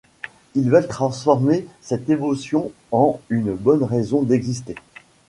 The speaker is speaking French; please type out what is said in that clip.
Ils veulent transformer cette émotion en une bonne raison d'exister.